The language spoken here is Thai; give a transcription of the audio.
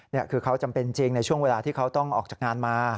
นี่คือเขาจำเป็นจริงในช่วงเวลาที่เขาต้องออกจากงานมา